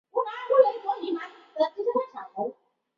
祥记冯祥建筑有限公司是一间香港前上市公司。